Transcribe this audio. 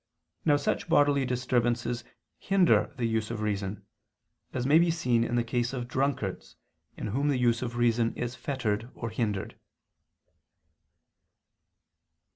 Now such bodily disturbances hinder the use of reason; as may be seen in the case of drunkards, in whom the use of reason is fettered or hindered.